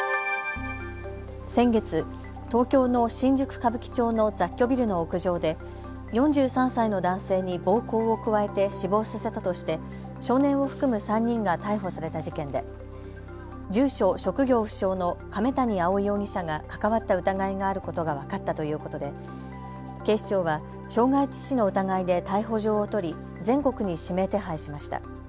先月、東京の新宿歌舞伎町の雑居ビルの屋上で４３歳の男性に暴行を加えて死亡させたとして少年を含む３人が逮捕された事件で住所・職業不詳の亀谷蒼容疑者が関わった疑いがあることが分かったということで警視庁は傷害致死の疑いで逮捕状を取り全国に指名手配しました。